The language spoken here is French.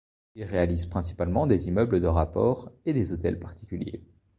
Il réalise principalement des immeubles de rapport et des hôtels particuliers.